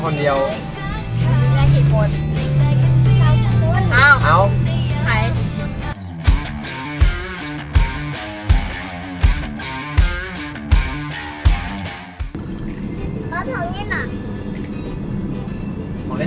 ของเล่นอยู่หลังรถครับ